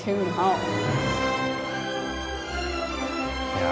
いや。